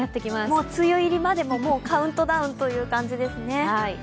もう梅雨入りまでもカウントダウンという感じですね。